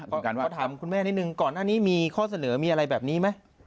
ขอถามคุณแม่นิดนึงก่อนหน้านี้มีข้อเสนอมีอะไรแบบนี้ไหม